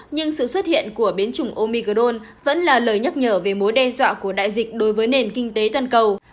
nhưng sự xuất hiện của biến chủng omi gold vẫn là lời nhắc nhở về mối đe dọa của đại dịch đối với nền kinh tế toàn cầu